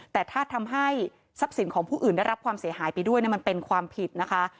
แต่ถ้าทำให้ทรัพย์สินของผู้อื่นได้รับความเสียหายไปด้วยมันเป็นความผิดนะคะ